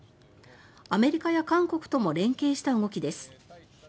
アメリカや韓国とも連携した動きです。